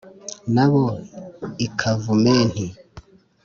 Nabo ni Kavumenti,